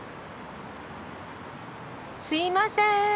すいません。